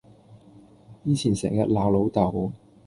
以前成日鬧老豆